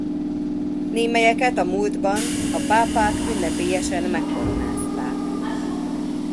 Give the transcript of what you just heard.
Némelyeket a múltban a pápák ünnepélyesen megkoronázták.